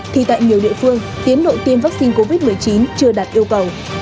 thì tại nhiều địa phương tiến độ tiêm vaccine covid một mươi chín chưa đạt yêu cầu